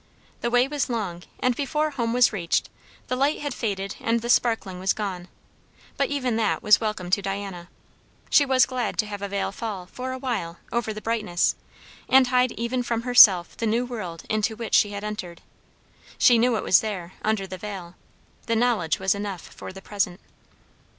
The way was long, and before home was reached the light had faded and the sparkling was gone; but even that was welcome to Diana. She was glad to have a veil fall, for a while, over the brightness, and hide even from herself the new world into which she had entered. She knew it was there, under the veil; the knowledge was enough for the present.